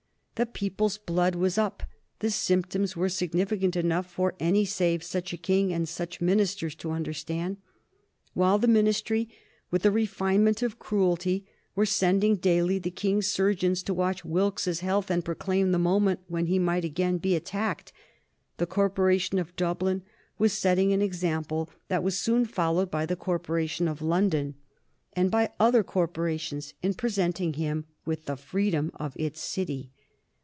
The people's blood was up; the symptoms were significant enough for any save such a King and such ministers to understand. While the Ministry, with a refinement of cruelty, were sending daily the King's surgeons to watch Wilkes's health and proclaim the moment when he might again be attacked, the Corporation of Dublin was setting an example that was soon followed by the Corporation of London and by other corporations in presenting him with the freedom of its city.